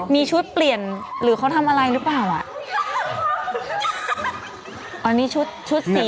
มีชุดเปลี่ยนหรือเขาทำอะไรหรือเปล่าอ่ะอันนี้ชุดชุดสี